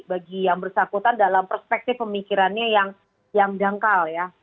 bagi yang bersakbutan dalam perspektif pemikirannya yang jangkal ya